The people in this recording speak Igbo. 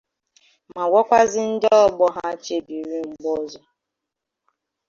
ma gwakwazie ndị ògbò ha chebiri mgbe ọzọ.